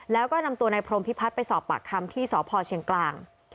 แล้วก็นำตัวนายพรมพิพัฒน์ไปสอบปากคำที่สพเชียงกลาง